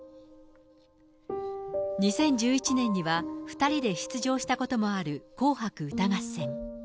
２０１１年には２人で出場したこともある紅白歌合戦。